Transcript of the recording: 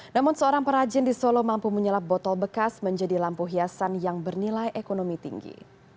namun seorang perajin di solo mampu menyelap botol bekas menjadi lampu hiasan yang bernilai ekonomi tinggi